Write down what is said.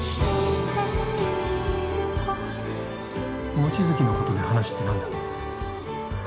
望月のことで話って何だ？